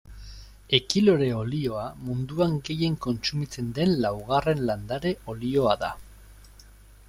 Ekilore olioa munduan gehien kontsumitzen den laugarren landare olioa da.